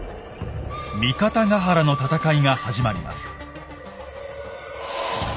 「三方ヶ原の戦い」が始まります。